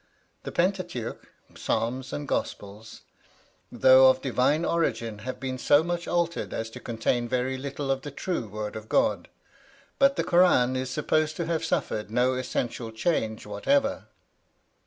The Pentateuch, Psalms and Gospels, though of divine origin, have been so much altered as to contain very little of the true Word of God; but the Kur ân is supposed to have suffered no essential change whatever.